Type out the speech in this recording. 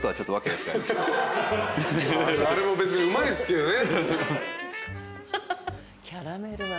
あれも別にうまいっすけどね。